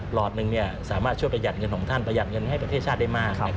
หลอดหนึ่งสามารถช่วยประหยัดเงินของท่านประหยัดเงินให้ประเทศชาติได้มาก